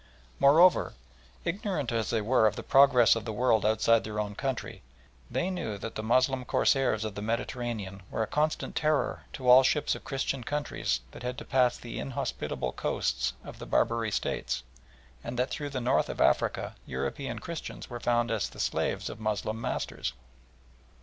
Moreover, ignorant as they were of the progress of the world outside their own country, they knew that the Moslem corsairs of the Mediterranean were a constant terror to all ships of Christian countries that had to pass the inhospitable coasts of the Barbary States, and that throughout the north of Africa European Christians were found as the slaves of Moslem masters.